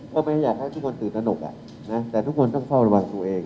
ก็ไม่ได้อยากให้ทุกคนตื่นตนกแต่ทุกคนต้องเฝ้าระวังตัวเอง